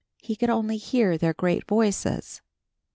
He could only hear their great voices.